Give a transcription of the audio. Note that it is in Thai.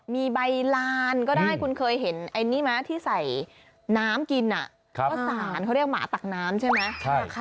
มีใบลานก็ได้คุณเคยเห็นไอ้นี่ไหมที่ใส่น้ำกินข้าวสารเขาเรียกหมาตักน้ำใช่ไหม